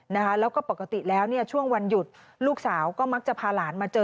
แล้วก็ปกติแล้วเนี่ยช่วงวันหยุดลูกสาวก็มักจะพาหลานมาเจอ